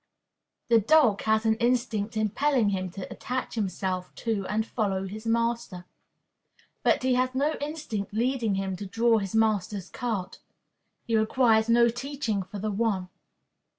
The dog has an instinct impelling him to attach himself to and follow his master; but he has no instinct leading him to draw his master's cart. He requires no teaching for the one.